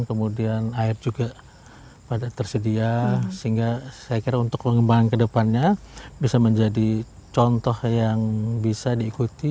kemudian air juga pada tersedia sehingga saya kira untuk pengembangan ke depannya bisa menjadi contoh yang bisa diikuti